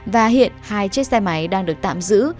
và hiện hai chiếc xe máy đang được tạm giữ